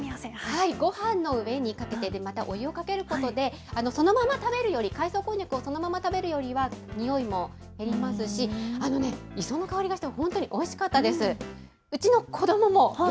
ごはんの上にかけて、またお湯をかけることで、そのまま食べるより、海草こんにゃくをそのまま食べるよりは、においも減りますし、あのね、磯の香りがして本当においしかったです。